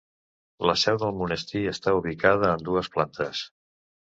La seu del monestir està ubicada en dues plantes.